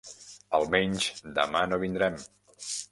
Almenys demà no vindrem.